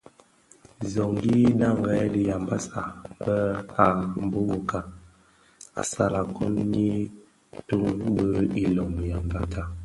Zonйyi dharèn dhi Yambassa be a bokaka assalaKon=ňyi toň bil iloň Yambéta.